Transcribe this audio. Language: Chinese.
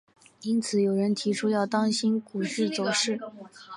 因此有人提出要当心股市走势。